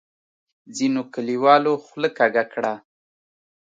ځینو کلیوالو خوله کږه کړه.